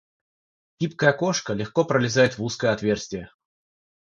Гибкая кошка легко пролезает в узкое отверстие.